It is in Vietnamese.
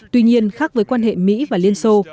tuy nhiên khác với quan hệ mỹ và liên xô